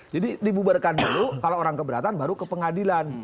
jadi dibubarkan dulu kalau orang keberatan baru ke pengadilan